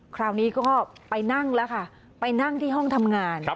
คราวนี้ก็ไปนั่งแล้วค่ะไปนั่งที่ห้องทำงาน